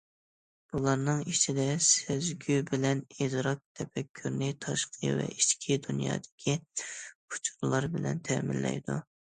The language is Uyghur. بۇلارنىڭ ئىچىدە سەزگۈ بىلەن ئىدراك تەپەككۇرنى تاشقى ۋە ئىچكى دۇنيادىكى ئۇچۇرلار بىلەن تەمىنلەيدۇ.